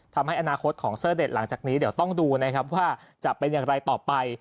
ทำให้อนาคตของเซอร์เด็ดหลังจากนี้เดี๋ยวต้องดูนะครับว่าจะเป็นอย่างไรต่อไป